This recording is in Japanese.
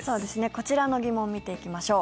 こちらの疑問見ていきましょう。